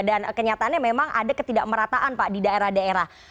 dan kenyataannya memang ada ketidakmerataan pak di daerah daerah